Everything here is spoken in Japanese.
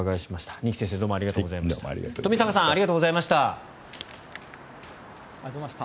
二木先生、冨坂さんありがとうございました。